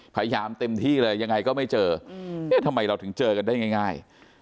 พยายามเต็มที่เลยยังไงก็ไม่เจอทำไมเราถึงเจอกันได้ง่าย